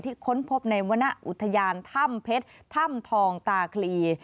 ค้นพบในวรรณอุทยานถ้ำเพชรถ้ำทองตาคลี